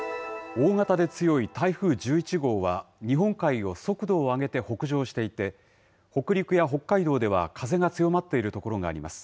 大型で強い台風１１号は、日本海を速度を上げて北上していて、北陸や北海道では風が強まっている所があります。